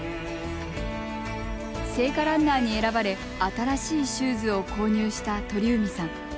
聖火ランナーに選ばれ新しいシューズを購入した鳥海さん。